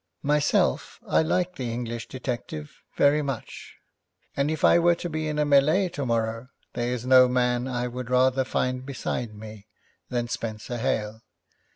Myself, I like the English detective very much, and if I were to be in a mêlée tomorrow, there is no man I would rather find beside me than Spenser Hale.